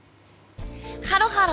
ハロハロ！